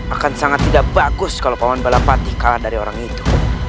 akan sangat tidak bagus kalau panggung balapati kalah dari orang itu